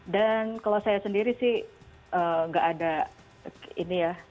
dan kalau saya sendiri sih nggak ada ini ya